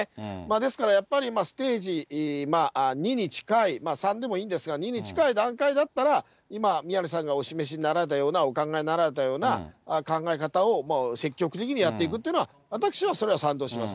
ですからやっぱり、ステージ２に近い、３でもいいんですが、２に近い段階だったら、今、宮根さんがお示しになられたような、お考えになられたような考え方を積極的にやっていくというのは、私はそれは賛同します。